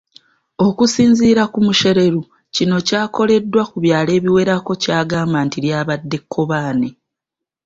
Okusinziira ku Mushereru kino kyakoleddwa mu byalo ebiwerako kyabagamba nti lyabadde kkobaane.